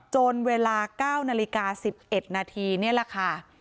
จนเวลา๙นาฬิกา๑๑นาทีนี่แหละค่ะ